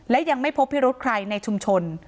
และยังไม่พบพิรุธใครในชุมชน